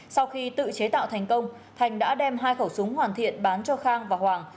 sau khi tự chế tạo thành công thành đã đem hai khẩu súng hoàn thiện bán cho khang và hoàng